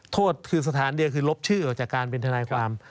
โทษคือสถานเดียวคือลบชื่อออกจากการเป็นทนายความ